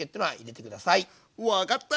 分かった！